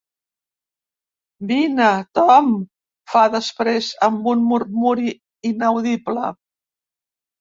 Vine, Tom —fa després amb un murmuri inaudible.